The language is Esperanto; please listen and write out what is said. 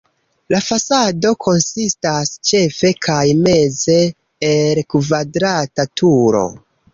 La fasado konsistas ĉefe kaj meze el kvadrata turo.